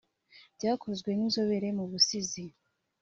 bwakozwe n’Inzobere mu Busizi